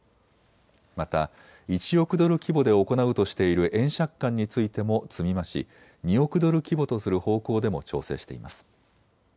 また１億ドル規模で行うとしている円借款についても積み増し２億ドル規模とする方向でも調整しています。